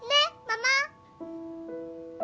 ママ。